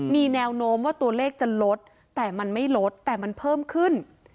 มีแนวโน้มว่าตัวเลขจะลดแต่มันไม่ลดแต่มันเพิ่มขึ้น